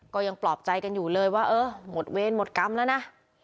ก็ยังปลอบใจกันอยู่เลยว่าเออหมดเวรหมดกรรมแล้วนะ